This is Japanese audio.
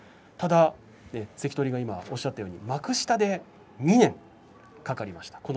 さて関取が今おっしゃったように幕下で２年かかりました